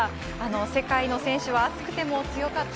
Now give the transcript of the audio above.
世界の選手は暑くても強かった。